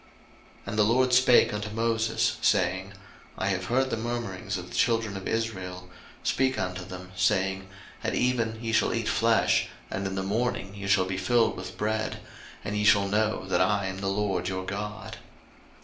02:016:011 And the LORD spake unto Moses, saying, 02:016:012 I have heard the murmurings of the children of Israel: speak unto them, saying, At even ye shall eat flesh, and in the morning ye shall be filled with bread; and ye shall know that I am the LORD your God.